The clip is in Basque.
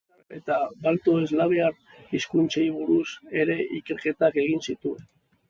Germaniar eta balto-eslaviar hizkuntzei buruz ere ikerketak egin zituen.